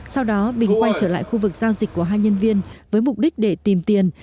sau đó bình quay trở lại khu vực giao dịch của hai nhân viên với mục đích để tìm tiền